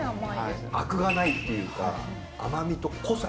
アクがないっていうか甘みと濃さ。